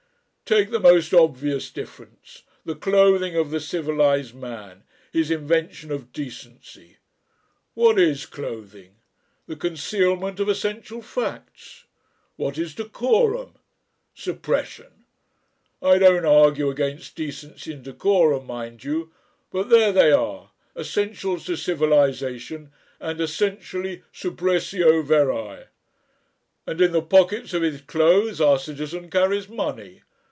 Take the most obvious difference the clothing of the civilised man, his invention of decency. What is clothing? The concealment of essential facts. What is decorum? Suppression! I don't argue against decency and decorum, mind you, but there they are essentials to civilisation and essentially 'suppressio veri.' And in the pockets of his clothes our citizen carries money.